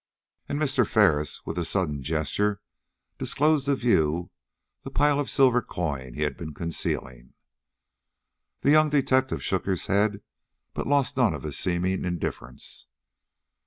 And Mr. Ferris, with a sudden gesture, disclosed to view the pile of silver coin he had been concealing. The young detective shook his head but lost none of his seeming indifference.